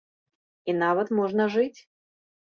І нават можна жыць.